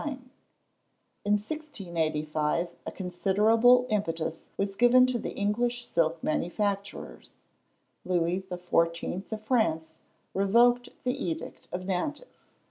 In 1685, a considerable impetus was given to the English silk manufactures. Louis the Fourteenth of France revoked the edict of Nantes.